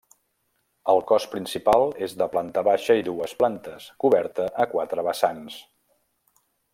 El cos principal és de planta baixa i dues plantes, coberta a quatre vessants.